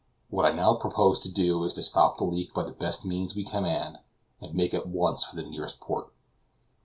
What I now propose to do is to stop the leak by the best means we can command, and make at once for the nearest port."